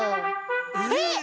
えっ！？